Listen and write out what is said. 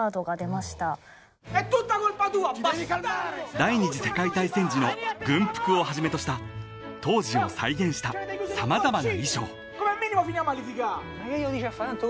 ［第二次世界大戦時の軍服をはじめとした当時を再現した様々な衣装］